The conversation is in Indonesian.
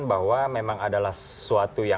bahwa memang adalah sebuah perusahaan